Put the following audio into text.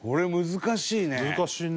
難しいね。